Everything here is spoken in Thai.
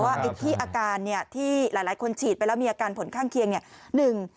ว่าที่อาการที่หลายคนฉีดไปแล้วมีอาการผลข้างเคียง